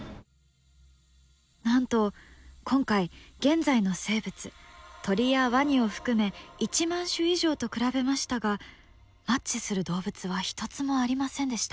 なんと今回現在の生物鳥やワニを含め１万種以上と比べましたがマッチする動物は一つもありませんでした。